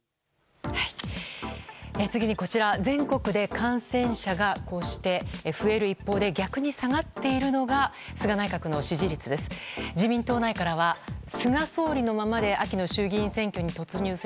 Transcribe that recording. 次にこちら全国で感染者が増える一方で逆に下がっているのが菅内閣の支持率です。